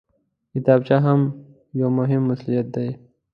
کتابچه یو مهم مسؤلیت دی